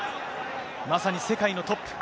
まさに世界のトップ。